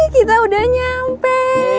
kita udah nyampe